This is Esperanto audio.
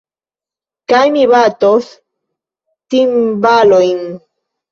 Kaj mi batos timbalojn.